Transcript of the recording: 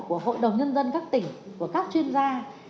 của hội đồng nhân dân các tỉnh của các chuyên gia